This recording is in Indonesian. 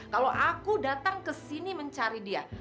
kalau aku datang ke sini mencari dia